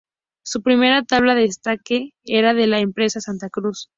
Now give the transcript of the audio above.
Su primera tabla de skate era de la empresa Santa Cruz.